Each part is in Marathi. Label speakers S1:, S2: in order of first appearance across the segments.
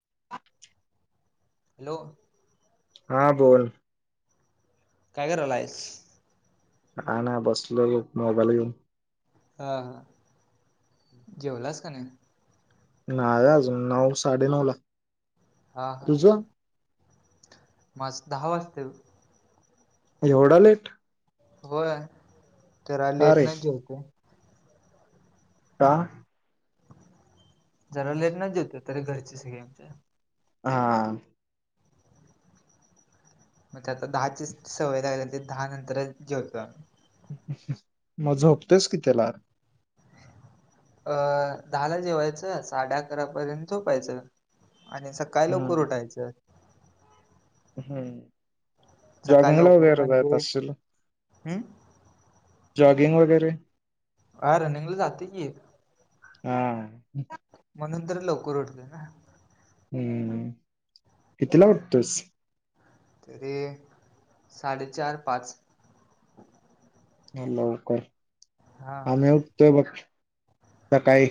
S1: [inaudible]
S2: हॅलो
S1: हा बोल.
S2: काय करालाइस?
S1: काय नाय बसलोय बघ मोबाईल घेऊन.
S2: ह हा, जेवलास का नाही?
S1: नाय अजून नऊ साडे नऊ ला.
S2: हा हा
S1: तुझं
S2: मग आज दहा वाजतील.
S1: एवढा लेट?
S2: होय तेरा
S1: का रे
S2: लेटनच जेवते.
S1: का
S2: जरा लेटनच जेवतात रे, घरची सगळी आमच्या.
S1: हा
S2: मग ते आता दहाचीच सवय लागलीया, ते दहा नंतरच जेवतो.
S1: अ हं मग झोपतोयस कितीला?
S2: अं दहाला जेवायचं साडे अकरापर्यंत झोपायचं. आणि सकाळी लवकर उठायचं.
S1: अहं,
S2: सकाळ
S1: जॉगिंगला
S2: लवकर
S1: वैगेरे जात
S2: म्हणजे
S1: असचील?
S2: हम्म?
S1: जॉगिंग वगैरे
S2: आ रनिंगला जातोय की.
S1: हा.
S2: म्हणून तर लवकर उठलोय ना.
S1: हम्म कितीला उठतोस?
S2: तरी एक, साडेचार पाच
S1: हा लवकर
S2: हा
S1: आमही तोय, मग सकाळी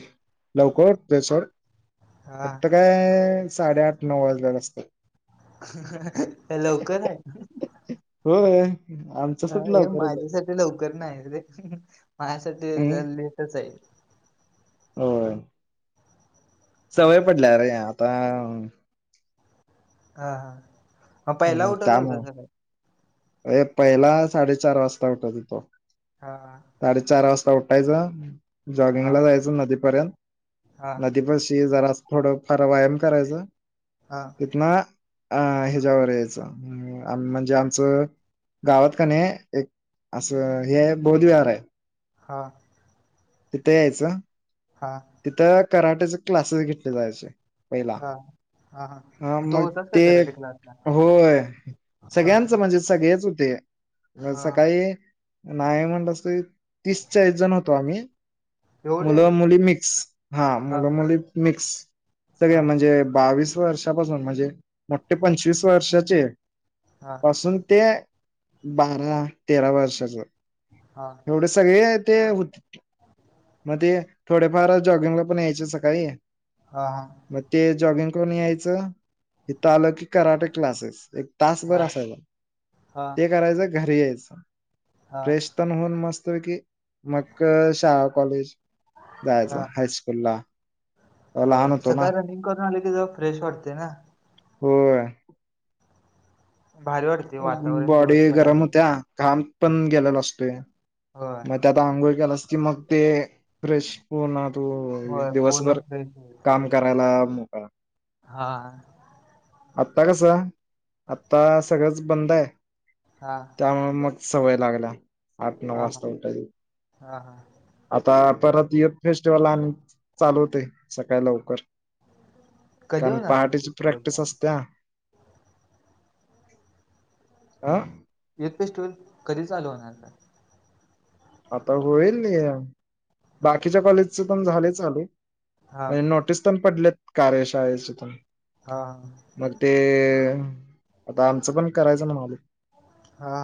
S1: लवकर उठतोय सोड.
S2: हा
S1: फक्त काय साडेआठ नऊ वाजल्या असतं
S2: हे लवकर आहे?
S1: हो आ
S2: अ हे माझ्यासाठी लवकर नाही र माझ्यासाठी
S1: हम्म,
S2: जरा लेटच आहे.
S1: होय.
S2: हा
S1: सवय पडल्या रे आता.
S2: हा हा ह पहिला उठत होत खर?
S1: अय पहिला साडेचार वाजता उठत होतो.
S2: हा वा.
S1: साडेचार वाजता उठायचा
S2: हा
S1: जॉगिंगला जायचं नदीपर्यंत
S2: हा
S1: नदी पशी जरास थोडं फार व्यायाम करायचं
S2: आं
S1: तिथंना अ ह्याज्यावर यायचं उम्म आम म्हणजे आमचं गावात का नाही एक असं हे आहे बौद्धविहार आहे
S2: हा.
S1: तिथं यायचं
S2: हा.
S1: तिथं कराट्याचे क्लासेस घेतले जायचे पहिला.
S2: हा. हा
S1: हा
S2: तू
S1: मग
S2: होतास का
S1: ते
S2: कराटे क्लासला?
S1: होय.
S2: हा
S1: सगळ्यांच म्हणजे सगळेच होते.
S2: हा
S1: सकाळी नाही म्हणलंस तरी तीस चाळीस जण होतो आम्ही
S2: एवढे
S1: मुलं मुली मिक्स हा मुलं मुली मिक्स
S2: हा
S1: सगळ्या म्हणजे बावीस वर्षापासून म्हणजे मोठे पंचवीस वर्षाचे
S2: हा.
S1: पासून ते बारा तेरा वर्षाचा
S2: हा.
S1: एवढे सगळे ते हो म ते थोडेफार जॉगिंगला पण यायचे सकाळी.
S2: हा हा.
S1: म ते जॉगिंग करून यायचं हिथं आलं की कराटे क्लासेस एक तासभर
S2: हा
S1: असायला.
S2: हा
S1: ते करायचं घरी यायचं.
S2: हा
S1: फ्रेश पण होऊन मस्तपैकी मग शाळा कॉलेज
S2: हा
S1: जायचं हायस्कूल ला तवा लहान होतो ना.
S2: हा आणि ते जरा फ्रेश वाटते ना.
S1: होय.
S2: भारी वाडते वातावरण
S1: बॉडी गरम
S2: दिवसभराचं
S1: होत्या घाम
S2: हो
S1: पण गेलेला असतोय
S2: होय होय.
S1: मग त्या आता अंघोळ केलास की मग ते फ्रेश. हो ना तू
S2: होय, पूर्ण
S1: दिवसभर
S2: फ्रेश होते
S1: काम करायला मोकळा.
S2: हा.
S1: आता कसं आता सगळंच बंद आहे.
S2: हा.
S1: त्यामुळे मग सवय लागल्या आठ नऊ
S2: हा हा
S1: वाजता उठायची.
S2: हा हा
S1: आता परत युथ फेस्टिवल आणि चालू होते सकाळी लवकर
S2: कधी
S1: कारण
S2: होणार युथ
S1: पहाटेची
S2: फेस्टिवल
S1: प्रॅक्टिस
S2: चालू
S1: असत्या आं
S2: युथ फेस्टिवल कधी चालू होणार काय?
S1: आता होईल या बाकीच्या कॉलेजच पण झाले चालू.
S2: हा
S1: म्हणजे नोटीस पण पडलेत कार्यशाळेच्या इथून.
S2: हा हा.
S1: मग ते आता आमचं पण करायचं माले.
S2: हा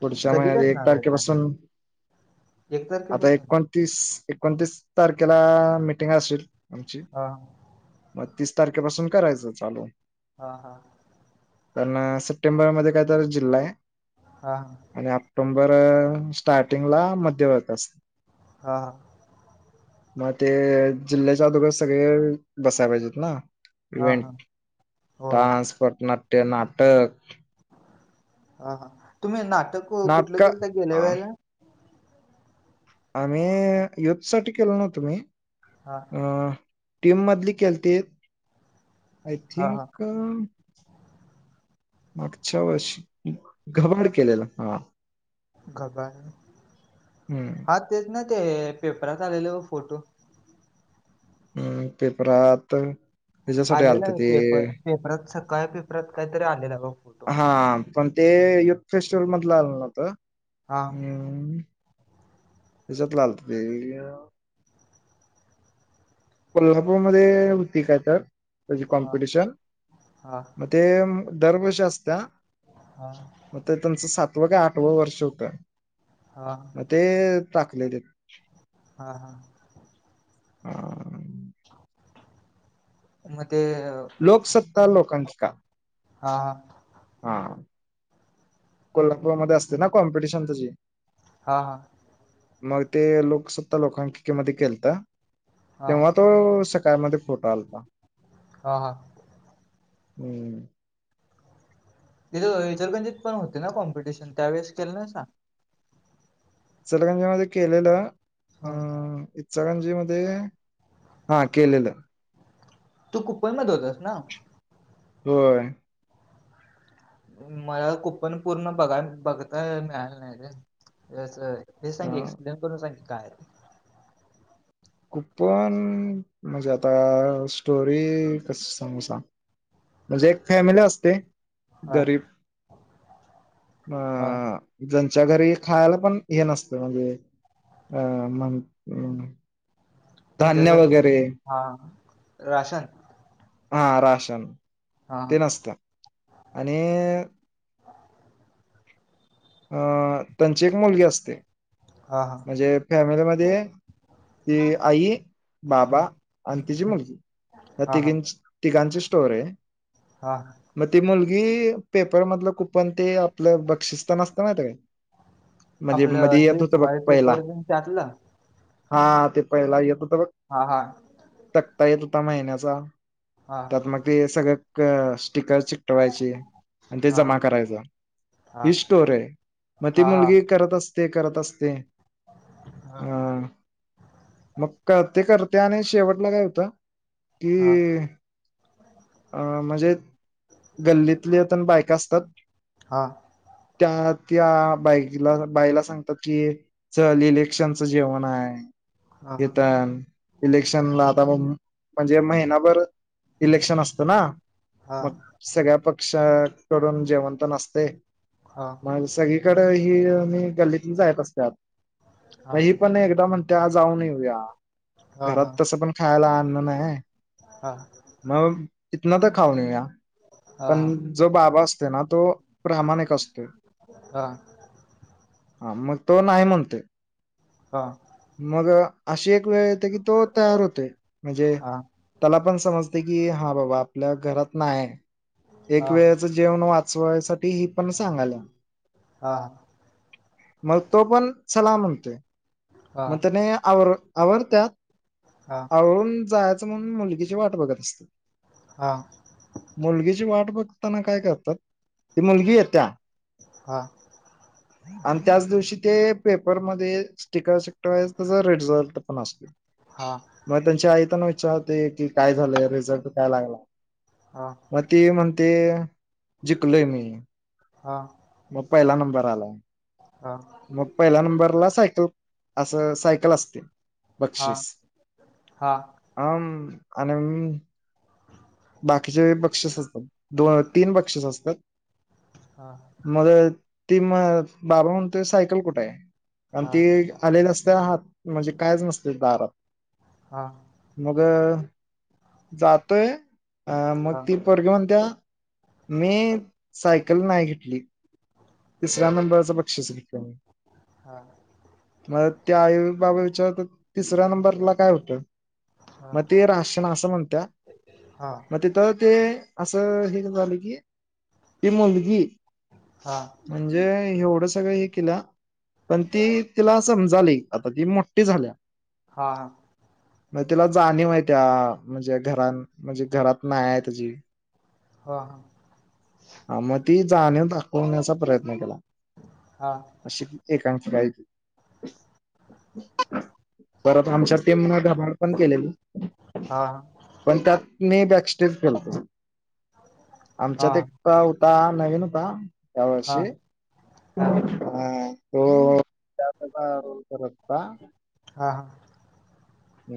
S1: पुढच्या
S2: कधी
S1: महिन्यात एक
S2: करणार आहे काय
S1: तारखेपासून
S2: एक
S1: आता
S2: तारखेपासून
S1: एकोणतीस एकोणतीस तारखेला मीटिंग असेल आमची.
S2: हा.
S1: मग तीस तारखेपासून करायचं चालू.
S2: हा हा.
S1: पण सप्टेंबरमध्ये काय तर जिल्हा आहे.
S2: हा हा.
S1: आणि ऑक्टोंबर स्टार्टिंगला मध्यवर्त असत.
S2: हा हा.
S1: मग ते जिल्ह्याच्या अदोगय सगळे बसायला पाहिजेत ना.
S2: हा हा
S1: इंव्हेंट,
S2: होय
S1: डान्स, पटनाट्य, नाटक.
S2: हा हा तुम्ही नाटक कु कुठलं
S1: नाटक
S2: केलं गेल्या वेळेला?
S1: आम्ही युथ साठी केलो नव्हतं मी
S2: हा.
S1: अ टीम मधली केलतेत आय
S2: हा हा
S1: थिंक मागच्या वर्षी घबाड केलेला हा.
S2: घबार
S1: हम्म
S2: हा तेच ना ते हे पेपरात आलेले हो फोटो.
S1: अम्म पेपरात हेच्यासाठी
S2: आलेला
S1: आलतं ते
S2: पेपर पेपरात सकाळ पेपरात काहीतरी आलेला. [unintelligible]
S1: हा पण ते युथ फेस्टिवल मधलं आलं नव्हतं
S2: हा
S1: हम्म. त्याज्यातलं आलतं य कोल्हापूरमध्ये होती काय तर त्याजी
S2: हा
S1: कॉम्पिटिशन
S2: हा
S1: मग ते दरवर्षी असत्या
S2: हा
S1: मग तर त्यांचं सातवं काय आठवं वर्ष होतं.
S2: हा.
S1: मग ते टाकले ते.
S2: हा हा.
S1: हां.
S2: म ते
S1: लोकसत्ता लोकांकिका.
S2: हा हा.
S1: हा. कोल्हापूरमध्ये असते ना कॉम्पिटिशन तीजी.
S2: हा हा.
S1: मग ते लोकसत्ता लोकांकिका मध्ये केलतं.
S2: हा
S1: तेव्हा तो सकाळमध्ये फोटो आलता.
S2: हा हा
S1: हम्म.
S2: तिथं इचलकरंजीत पण होते ना कॉम्पिटिशन त्यावेेळेस केलं नाही असा.
S1: इचलकरंजी मध्ये केलेलं?
S2: हा.
S1: इचलकरंजी मध्ये हा केलेलं.
S2: तू कुपनला धोतोस ना.
S1: होय.
S2: मला कुपन पूर्ण बघाय बघताय मिळालं नाही रे हे असं आहे. हे सांग,
S1: हा.
S2: एक्सप्लेन करून सांग की काय
S1: कूपण म्हजे आता, स्टोरी कसं सांगू सांग? म्हजे एक फॅमिली असते
S2: हा
S1: गरीब म
S2: हा
S1: ज्यांच्या घरी खायला पण हे नसतं, म्हणजे अ म्हण
S2: म्हणजें
S1: धान्य
S2: असं,
S1: वगैरे
S2: हा राशन
S1: हा राशन,
S2: हा
S1: ते नसतं आणि अ त्यांची एक मुलगी असते
S2: हा हा
S1: म्हजे फॅमिलीमध्ये ती, आई, बाबा
S2: हम्म,
S1: आणि तिची
S2: हम्म.
S1: मुलगी या
S2: हा हा
S1: तिघींची, तिघांची स्टोरी आहे.
S2: हां
S1: म ती मुलगी पेपर मधलं कुपन, ते आपलं बक्षिस तुला माहिते काय? म्हजी
S2: आपलं
S1: मध्ये
S2: हे
S1: येत होत बघ
S2: फुगाळी
S1: पहिला
S2: पेपर तेन त्यातलं
S1: हा, ते पहिला येत होत बघ
S2: हा, हा
S1: तक्ता येत होता महिन्याचा,
S2: हा
S1: त्यात म ते सगळं क स्टिकर चिक टवायची, अन ते
S2: हा
S1: जमा
S2: हा
S1: करायच,
S2: हा
S1: ही स्टोरी आहे. म ती
S2: हा हा
S1: मुलगी करत असते, करत असते
S2: हा
S1: अ मग करते, करते आणि शेवटला काय होतं कि
S2: हा
S1: अ म्हणजे, गल्लीतल्या पण बायका असतात
S2: हां
S1: त्यात त्या बाईकला बाईला सांगतात की चल इलेक्शनच जेवण हाय
S2: हा हा
S1: घेतान इलेक्शनला आता म, म्हणजे महिनाभर इलेक्शन असत ना,
S2: हा
S1: मग सगळ्या पक्षाकडून जेवण पण असतंय
S2: हा
S1: म सगळीकडं ही मी गल्लीतन जायेत असत्यात म ही पण, एकदा म्हणत्या जाऊन येऊया,
S2: हा
S1: घरात
S2: हा
S1: तसं पण खायला अन्न नाय.
S2: हा
S1: म तीतन त खाऊन येऊया पण
S2: हा
S1: जो बाबा असते ना, तो प्रामाणिक असतोय.
S2: हा
S1: हा, मग तो नाही म्हणतोय
S2: हा
S1: मग, अशी एक वेळ येते की, तो तयार होतोय, म्हजे त्याला पण समजते की, हा बाबा, आपल्या घरात नाये एक वेळ जेवण वाचवायसाठी, हे पण सांगायला
S2: हा
S1: मग, तो पण, चला म्हणतोय मग त्याने आवर आवरत्यात आवरून जाय ती म्हणून मुलगीची वाट बघत असत
S2: हा
S1: मुलगीची वाट बघताना काय करतात, ती मुलगी येत्या
S2: हा
S1: आन त्याच दिवशी ते पेपरमध्ये स्टिकर चिटकवाय तसं रिझोल्ट पण असतो.
S2: हा
S1: म त्यांच्या आई त्यांना विचार होतय, की काय झालंय, रिझल्ट काय लागला?
S2: हा.
S1: म ती म्हणतेय जिकलोय मी म पहिला नंबर आलाय.
S2: हा.
S1: म पहिल्या नंबरला सायकल असं सायकल असते बक्षिस.
S2: हा.
S1: अम्म आणि बाकीचे बक्षिस असतं. दोन तीन बक्षिस असतात.
S2: हा.
S1: मगं ती म बाबा म्हणतोय सायकल कुठे आहे आणि ती आलेल्या असत्या हात म्हणजे कायच नसते दारात मगं जातोय अ मग ती पोरगी म्हणतेया मी सायकल नाय घेतली तिसऱ्या नंबरचा बक्षीस घेतल्या मी. मला त्या आई व बाबा विचारतात तिसऱ्या नंबरला काय होतं म ते राशन असं म्हणत्या म तिथ ते असं हे झालं की ती मुलगी
S2: हा.
S1: म्हणजे एवढं सगळ हे केलं पण ती तिला समजाली आता ती मोठी झाल्या
S2: हा.
S1: मग तिला जाणीव हाय त्या म्हणजे घर म्हणजे घरात नाही आहे त्याजी.
S2: हा हा.
S1: आ म ती जाणीव दाखवण्याचा प्रयत्न केला. अशी ती एकांकिक आहे ती. परत आमच्या टीमने धबाड पण केलेली.
S2: हा हा.
S1: पण त्यात मी बॅक स्टेज केलतो आमच्यात एक कवता नवीन होता त्या वर्षी हा तो त्याचा [unintelligible] रोल करत होता.
S2: हा हा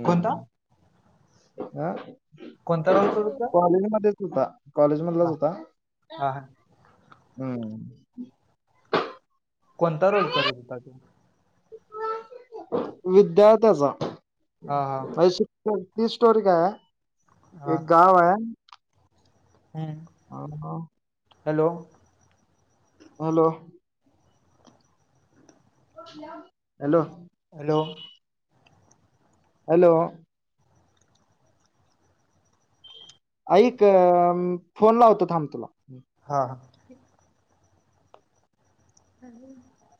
S2: कोणता?
S1: आं
S2: कोणता रोल करत होता?
S1: कॉलेज मध्येच होता कॉलेज मधलाच होता
S2: हा हा हा
S1: हम्म.
S2: कोणता रोल करत होता तो?
S1: विद्यार्थ्याचा
S2: हा हा
S1: हाय शिक [unintelligible] ती स्टोरी काय आहे
S2: हा
S1: एक गाव आहे
S2: हम्म.
S1: [unintelligible]
S2: Hello.
S1: Hello. Hello.
S2: Hello.
S1: Hello. ऐइक अम्म फोन लावतो थांब तुला.
S2: हा हा. [unintelligible]